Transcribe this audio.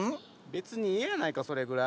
別にええやないかそれぐらい！